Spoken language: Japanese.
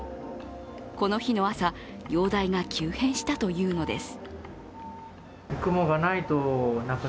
この日の朝、容体が急変したというのです。